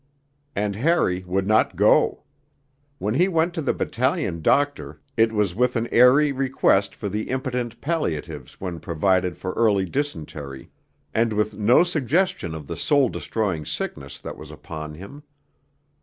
And Harry would not go. When he went to the battalion doctor it was with an airy request for the impotent palliatives then provided for early dysentery, and with no suggestion of the soul destroying sickness that was upon him.